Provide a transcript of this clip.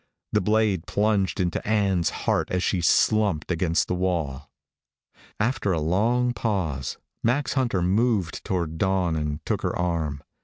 The blade plunged into Ann's heart as she slumped against the wall. After a long pause, Max Hunter moved toward Dawn and took her arm.